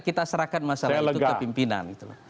kita serahkan masalah itu ke pimpinan